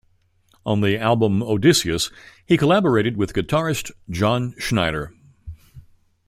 On the album "Odysseus" he collaborated with guitarist John Schneider.